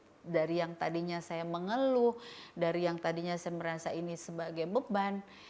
jadi dari yang tadinya saya mengeluh dari yang tadinya saya merasa ini sebagai beban